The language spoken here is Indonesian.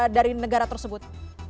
dari negara tersebut